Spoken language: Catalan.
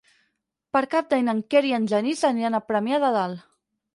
Per Cap d'Any en Quer i en Genís aniran a Premià de Dalt.